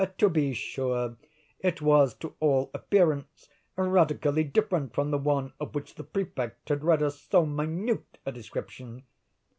To be sure, it was, to all appearance, radically different from the one of which the Prefect had read us so minute a description.